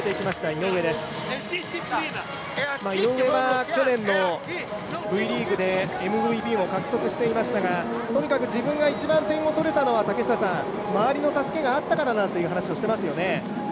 井上は去年のＶリーグでＭＶＰも獲得していましたがとにかく自分が一番点を取れたのは、周りの助けがあったからだと話をしていますよね。